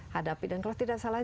hadapi dan kalau tidak salah